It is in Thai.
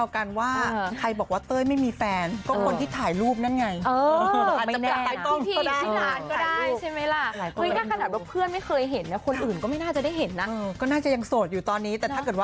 ขอโทษที